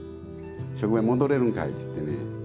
職場に戻れるんかい」っつってね。